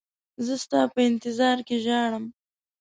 زه ستا په انتظار کې ژاړم.